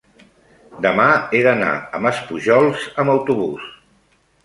demà he d'anar a Maspujols amb autobús.